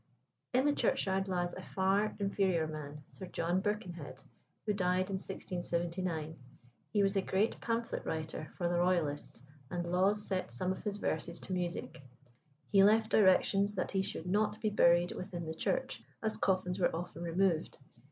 In the churchyard lies a far inferior man, Sir John Birkenhead, who died in 1679. He was a great pamphlet writer for the Royalists, and Lawes set some of his verses to music. He left directions that he should not be buried within the church, as coffins were often removed.